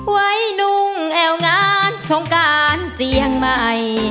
ไว้นุ่งแอวงานส่งก้านเจียงใหม่